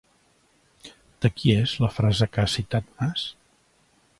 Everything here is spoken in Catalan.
De qui és la frase que ha citat Mas?